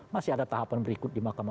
masih ada tahapan berikut di mahkamah